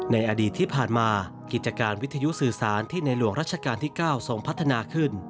ในอดีตที่ผ่านมากิจการวิทยุสื่อสารที่ในหลวงรัชกาลที่๙ทรงพัฒนาขึ้น